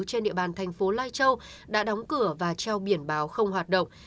trên địa bàn thành phố lai châu đã đóng cửa và treo biển báo không hoạt động